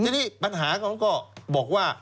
ทีนี้ปัญหาเขาก็บอกว่า